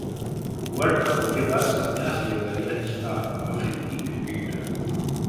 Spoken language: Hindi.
वर्ल्ड कप के बाद संन्यास लेगा यह स्टार अफ्रीकी क्रिकेटर